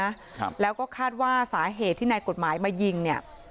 ครับแล้วก็คาดว่าสาเหตุที่นายกฎหมายมายิงเนี่ย